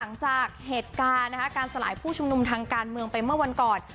หลังจากเหตุการณ์นะคะการสลายผู้ชุมนุมทางการเมืองไปเมื่อวันก่อน